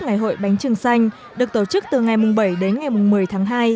ngày hội bánh trưng xanh được tổ chức từ ngày bảy đến ngày một mươi tháng hai